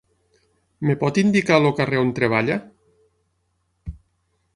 Em pot indicar el carrer on treballa?